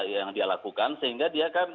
yang dia lakukan sehingga dia kan